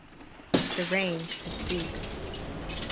The rain had ceased.